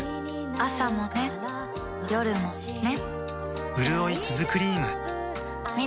朝もね、夜もね